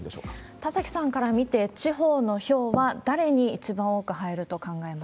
田崎さんから見て、地方の票は誰に一番多く入ると考えますか？